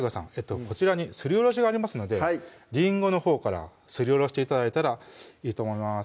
こちらにすりおろしがありますのでりんごのほうからすりおろして頂いたらいいと思います